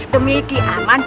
demi ki aman